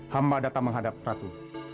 hamba datang menghadap ratu